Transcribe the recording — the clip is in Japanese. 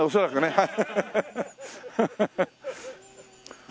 はい。